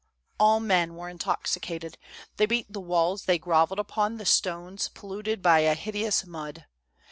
" All men were intoxicated ; they beat the walls, they grovelled upon the stones polluted by a hideous mud.